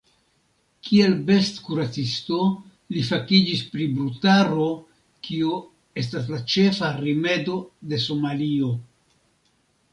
Kiel bestkuracisto li fakiĝis pri brutaro, kio estas la ĉefa rimedo de Somalio.